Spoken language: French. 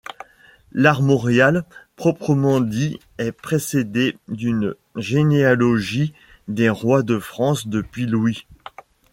L'armorial proprement dit est précédé d'une généalogie des rois de France depuis Louis.